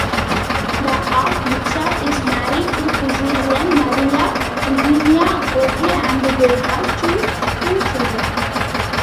The archbishop is married to physician Maria Eugenia Akrofi and they have two children.